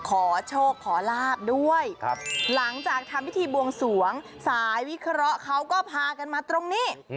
ขอโชคขอลาบด้วยหลังจากทำพิธีบวงสวงสายวิเคราะห์เขาก็พากันมาตรงนี้